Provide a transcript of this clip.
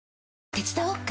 手伝おっか？